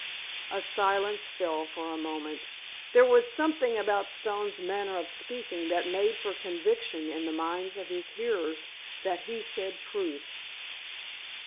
A silence fell for a moment. There was something about Stone's manner of speaking that made for conviction in the minds of his hearers that he said truth.